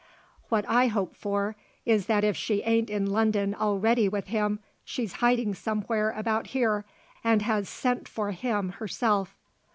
What I hope for is that if she ain't in London already with him, she's hiding somewhere about here and has sent for him herself."